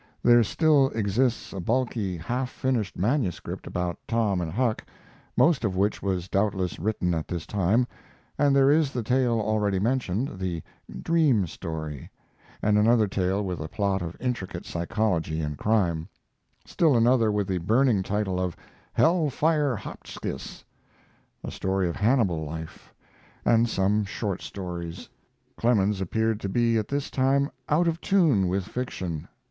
There still exists a bulky, half finished manuscript about Tom and Huck, most of which was doubtless written at this time, and there is the tale already mentioned, the "dream" story; and another tale with a plot of intricate psychology and crime; still another with the burning title of "Hell Fire Hotchkiss" a story of Hannibal life and some short stories. Clemens appeared to be at this time out of tune with fiction.